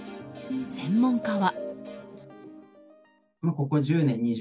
専門家は。